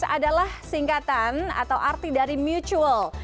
adalah singkatan atau arti dari mutual